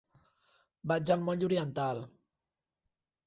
Vaig al moll Oriental.